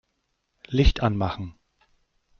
Licht anmachen.